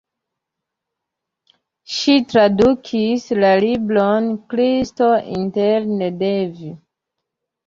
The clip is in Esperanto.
Ŝi tradukis la libron "Kristo interne de vi".